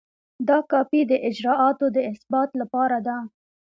دا کاپي د اجرااتو د اثبات لپاره ده.